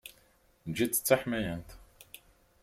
Eǧǧ-itt d taḥmayant.